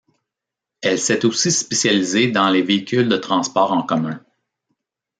Elle s'est aussi spécialisée dans les véhicules de transport en commun.